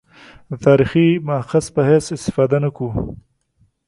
د تاریخي مأخذ په حیث استفاده نه کړو.